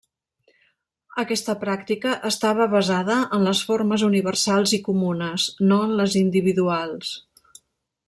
Aquesta pràctica estava basada en les formes universals i comunes, no en les individuals.